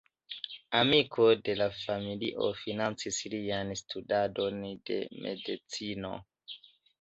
Amiko de la familio financis lian studadon de medicino.